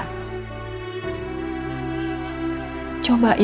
kemudian two bisa puyuh jadi sandai